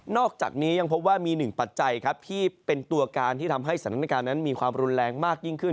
อกจากนี้ยังพบว่ามีหนึ่งปัจจัยครับที่เป็นตัวการที่ทำให้สถานการณ์นั้นมีความรุนแรงมากยิ่งขึ้น